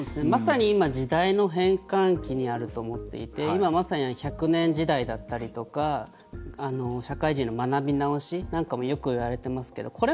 まさに今時代の変換期にあると思っていて今、まさに１００年時代だったりとか社会人の学び直しなんかもよく言われてますけど。